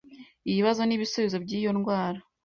ibibazo n’ibisubizo byiyo ndwara